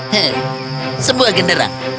hmm sebuah genderang